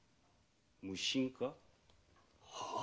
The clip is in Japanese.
無心か？は？